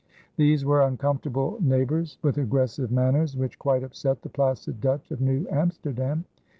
These were uncomfortable neighbors with aggressive manners which quite upset the placid Dutch of New Amsterdam.